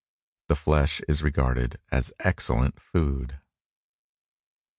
The flesh is regarded as excellent food.